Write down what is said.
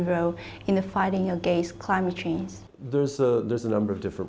với một nền kinh tế xanh bền vững